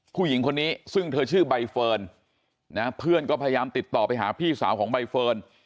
ผู้หญิงคนนี้ซึ่งเธอชื่อใบเฟิร์นนะเพื่อนก็พยายามติดต่อไปหาพี่สาวของใบเฟิร์น